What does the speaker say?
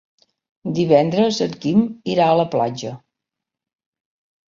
Divendres en Quim irà a la platja.